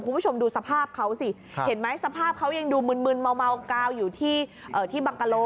คุณผู้ชมดูสภาพเขาสิเห็นไหมสภาพเขายังดูมึนเมากาวอยู่ที่บังกะโล